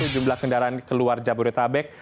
jumlah kendaraan keluar jabodetabek